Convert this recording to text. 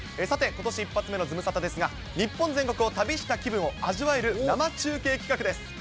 さて、ことし一発目のズムサタですが、日本全国を旅した気分を味わえる生中継企画です。